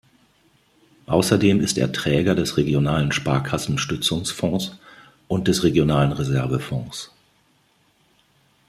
Außerdem ist er Träger des regionalen Sparkassen-Stützungsfonds und des regionalen Reservefonds.